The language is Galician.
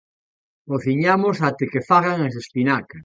Cociñamos até que fagan as espinacas.